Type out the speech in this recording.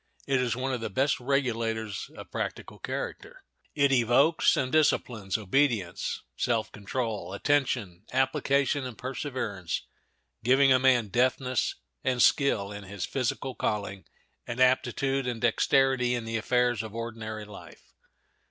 It is one of the best regulators of practical character. It evokes and disciplines obedience, self control, attention, application, and perseverance, giving a man deftness and skill in his physical calling, and aptitude and dexterity in the affairs of ordinary life.